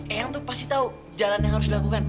eyang tuh pasti tahu jalan yang harus dilakukan